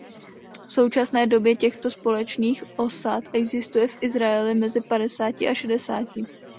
V současné době těchto společných osad existuje v Izraeli mezi padesáti a šedesáti.